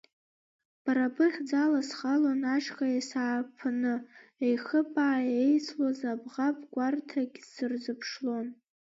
Бара быхьӡ ала схалон ашьха ес-ааԥны, еихыбаа еислоз абӷаб гәарҭагь сырзыԥшлон.